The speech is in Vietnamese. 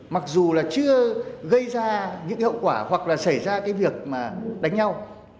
mặc dù là chưa gây ra những hậu quả hoặc là xảy ra cái việc mà đánh nhau